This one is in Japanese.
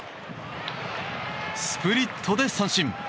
スプリットで三振。